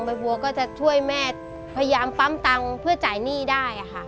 บัวก็จะช่วยแม่พยายามปั๊มตังค์เพื่อจ่ายหนี้ได้ค่ะ